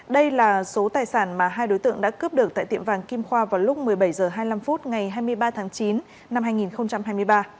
đây là số tài sản mà hai đối tượng đã cướp được tại tiệm vàng kim khoa vào lúc một mươi bảy h hai mươi năm ngày hai mươi ba tháng chín năm hai nghìn hai mươi ba